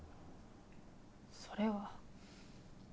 それは。